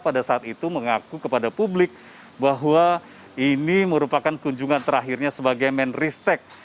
pada saat itu mengaku kepada publik bahwa ini merupakan kunjungan terakhirnya sebagai menristek